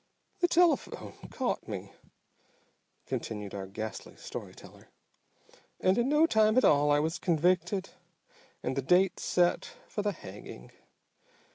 "The telephone caught me," continued our ghastly story teller, "and in no time at all I was convicted and the date set for the hanging.